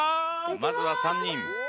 まずは３人。